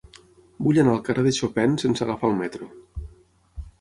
Vull anar al carrer de Chopin sense agafar el metro.